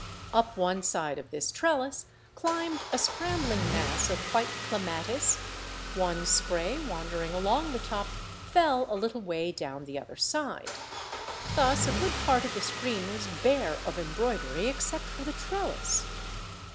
Up one side of this trellis climbed a scrambling mass of white clematis; one spray wandering along the top fell a little way down the other side. Thus a good part of the screen was bare of embroidery, except for the trellis.